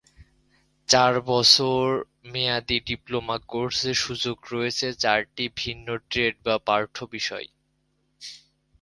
চার বছর মেয়াদি ডিপ্লোমা কোর্সে সুযোগ রয়েছে চারটি ভিন্ন ট্রেড বা পাঠ্য বিষয়।